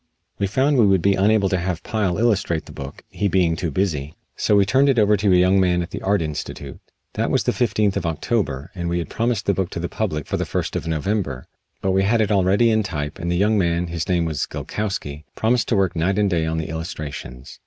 We found we would be unable to have Pyle illustrate the book, he being too busy, so we turned it over to a young man at the Art Institute. That was the fifteenth of October, and we had promised the book to the public for the first of November, but we had it already in type and the young man, his name was Gilkowsky, promised to work night and day on the illustrations.